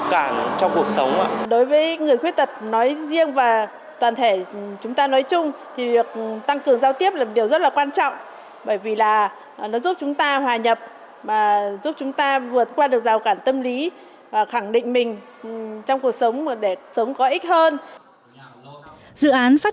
các hội viên của người khuyết tật trên thành phố hà nội cũng như là các hội viên của người khuyết tật trên cả nước